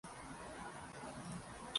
O‘zim ham aytdim-a, bir gap bor deb.